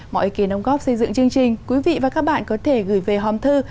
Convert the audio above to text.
mọi ý kỳ nông góp xây dựng chương trình quý vị và các bạn có thể gửi về hòm thư